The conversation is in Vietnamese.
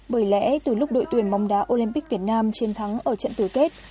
bởi lẽ từ lúc đội tuyển bóng đá olympic việt nam chiến thắng ở trận tứ kết